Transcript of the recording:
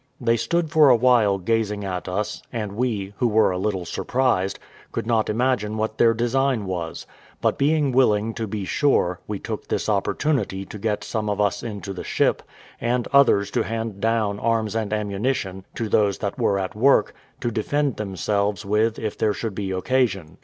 They stood for a while gazing at us, and we, who were a little surprised, could not imagine what their design was; but being willing to be sure, we took this opportunity to get some of us into the ship, and others to hand down arms and ammunition to those that were at work, to defend themselves with if there should be occasion.